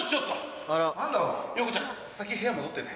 先部屋戻ってて。